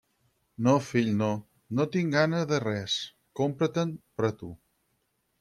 No, fill, no tinc gana de res. Compra-te’n per a tu.